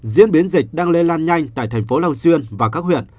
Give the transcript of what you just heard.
diễn biến dịch đang lên lan nhanh tại thành phố lào duyên và các huyện